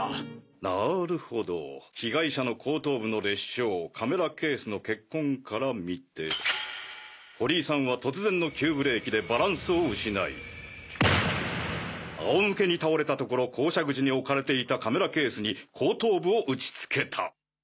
なるほど被害者の後頭部の裂傷カメラケースの血痕から見て堀井さんは突然の急ブレーキでバランスを失い仰向けに倒れたところ降車口に置かれていたカメラケースに後頭部を打ちつけた。